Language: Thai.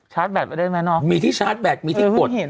ชาร์จแบตไปได้ไหมเนอะมีที่ชาร์จแบตมีที่ปลดไม่เคยเห็น